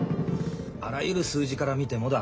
あらゆる数字から見てもだ